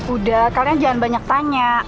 udah kalian jangan banyak tanya